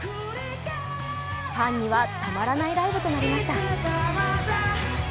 ファンにはたまらないライブとなりました。